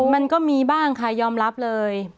มันก็มีบ้างค่ะยอมรับเลย